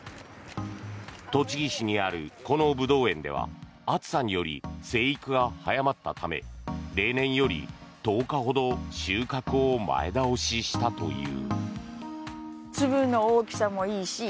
栃木市にあるこのブドウ園では暑さにより生育が早まったため例年より１０日ほど収穫を前倒ししたという。